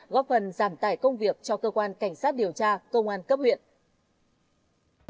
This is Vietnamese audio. góp phần giảm tải công việc cho cơ quan cảnh sát điều tra công an cấp huyện